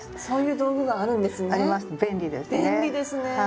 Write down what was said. そういう道具があるんですね。